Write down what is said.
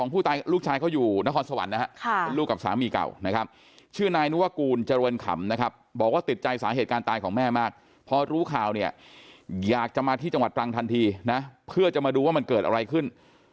ปอย่ากจะมาที่จังหวัดรังทันทีเพื่อจะมาดูว่ามันเกิดอะไรขึ้น